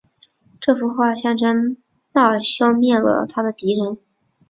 这幅画象征着那尔迈消灭了他的敌人。